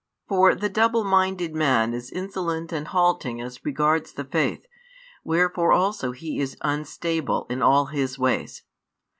For the double minded man is insolent and halting as regards the faith; wherefore also he is unstable in all his ways.